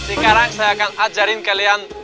sekarang saya akan ajarin kalian